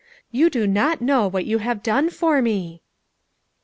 You do not know what you have done for me.